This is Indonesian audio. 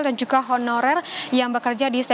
dan juga honorer yang bekerja di sel